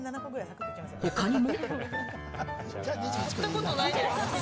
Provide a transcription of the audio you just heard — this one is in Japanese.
他にも。